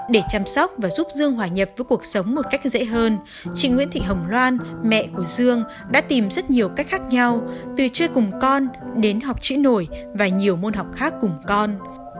để chăm sóc và giúp dương hòa nhập với cuộc sống một cách dễ hơn chị nguyễn thị hồng loan mẹ của dương đã tìm rất nhiều cách khác nhau từ chơi cùng con đến học chữ nổi và nhiều môn học khác cùng con